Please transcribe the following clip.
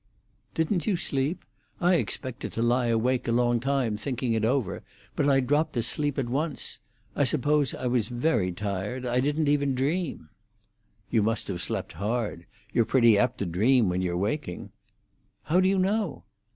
"Didn't you sleep? I expected to lie awake a long time thinking it over; but I dropped asleep at once. I suppose I was very tired. I didn't even dream." "You must have slept hard. You're pretty apt to dream when you're waking." "How do you know?"